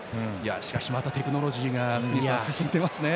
しかしまたテクノロジーが福西さん、進んでますね。